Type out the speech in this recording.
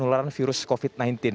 penularan virus covid sembilan belas